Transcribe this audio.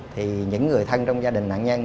thì những người thân trong gia đình nạn nhân